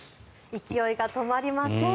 勢いが止まりません。